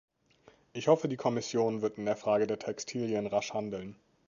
Ich hoffe, die Kommission wird in der Frage der Textilien rasch handeln.